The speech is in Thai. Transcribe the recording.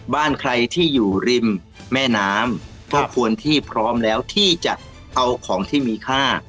บ้านใครที่อยู่ริมแม่น้ำก็ควรที่พร้อมแล้วที่จะเอาของที่มีค่า